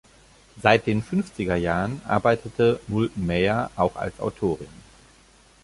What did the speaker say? Seit den fünfziger Jahren arbeitete Moulton-Mayer auch als Autorin.